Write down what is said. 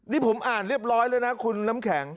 นี่ผมอ่านเรียบร้อยแล้วนะคุณน้ำแข็ง